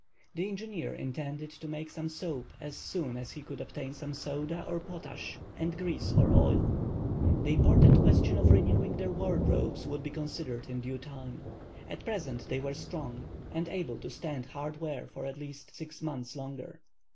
The engineer intended to make some soap as soon as he could obtain some soda or potash and grease or oil. The important question of renewing their wardrobes would be considered in due time. At present they were strong, and able to stand hard wear for at least six months longer.